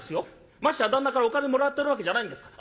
ましてや旦那からお金もらってるわけじゃないんですから。